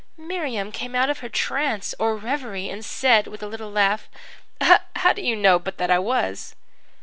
"Miriam came out of her trance or reverie and said, with a little laugh: "'How do you know but that I was?'